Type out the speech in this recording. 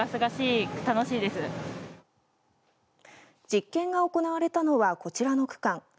実験が行われたのはこちらの区間。